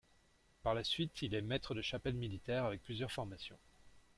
Par la suite, il est maître de chapelle militaire avec plusieurs formations.